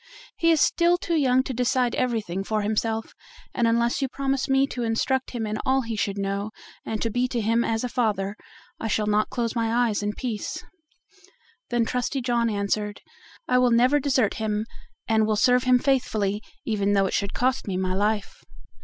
He is still too young to decide everything for himself, and unless you promise me to instruct him in all he should know, and to be to him as a father, I shall not close my eyes in peace." Then Trusty John answered: "I will never desert him, and will serve him faithfully, even though it should cost me my life."